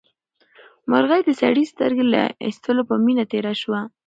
مرغۍ د سړي د سترګې له ایستلو په مینه تېره شوه.